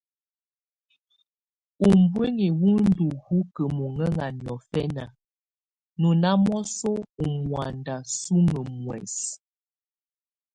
Ubuinyi wù ndù hukǝ mɔŋɛŋa niɔ́fɛna, nɔ na mɔsɔ ù mɔanda suŋǝ muɛs.